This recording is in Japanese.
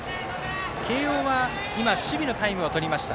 慶応は今守備のタイムをとりました。